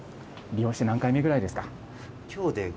利用して、何回目ぐらいですか？